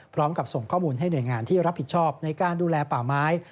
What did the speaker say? พร้อมกับส่งข้อมูลให้หน่วยงานที่รับผิดชอบในการดูแลป่าไม้